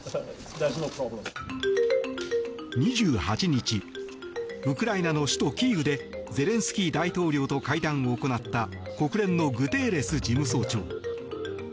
２８日ウクライナの首都キーウでゼレンスキー大統領と会談を行った国連のグテーレス事務総長。